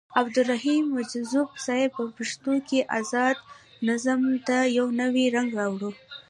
عبدالرحيم مجذوب صيب په پښتو کې ازاد نظم ته يو نوې رنګ راوړو.